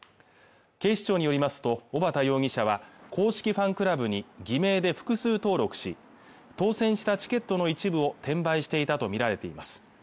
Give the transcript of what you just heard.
警視庁によりますと小幡容疑者は公式ファンクラブに偽名で複数登録し当選したチケットの一部を転売していたと見られています